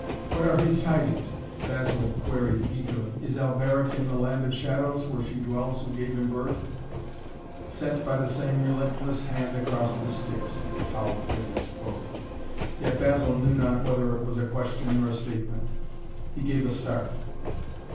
"What are his tidings?" Basil queried eagerly. "Is Alberic in the land of shadows, where she dwells who gave him birth?" "Sent by the same relentless hand across the Styx," the cowled figure spoke, yet Basil knew not whether it was a question or a statement. He gave a start.